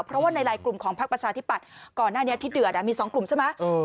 เพราะว่าในลายกลุ่มของพักประชาธิปัตย์ก่อนหน้านี้ที่เดือดมี๒กลุ่มใช่ไหม